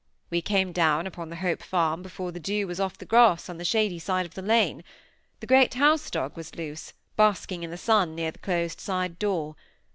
We came down upon the Hope Farm before the dew was off the grass on the shady side of the lane; the great house dog was loose, basking in the sun, near the closed side door.